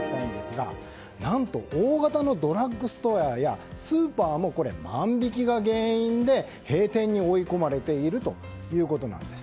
何と大型のドラッグストアやスーパーも万引きが原因で、閉店に追い込まれているということです。